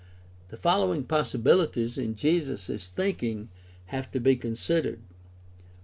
The following possibihties in Jesus' thinking have to be considered: I.